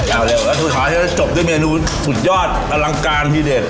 เอาเร็วแล้วสุดท้ายจบด้วยเมนูสุดยอดอลังการทีเด็ด